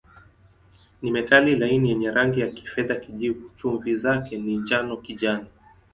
Ni metali laini yenye rangi ya kifedha-kijivu, chumvi zake ni njano-kijani.